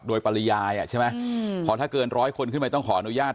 โดยปริยายใช่ไหมพอถ้าเกินร้อยคนขึ้นไปต้องขออนุญาต